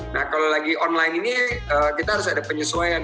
nah kalau lagi online ini kita harus ada penyesuaian